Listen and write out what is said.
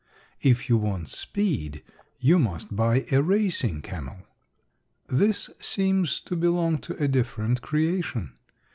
If you want speed, you must buy a racing camel. This seems to belong to a different creation.